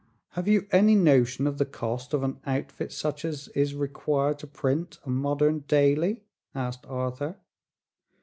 "Have you any notion of the cost of an outfit such as is required to print a modern daily?" asked Arthur.